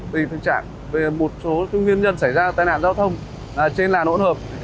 tùy tình trạng một số nguyên nhân xảy ra tai nạn giao thông là trên làn hỗn hợp